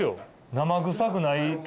生臭くない卵。